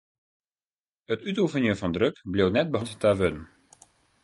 It útoefenjen fan druk bliuwt net beheind ta wurden.